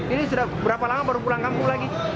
ini sudah berapa lama baru pulang kampung lagi